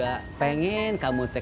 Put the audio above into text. aku kena sembunyi di bidung vipu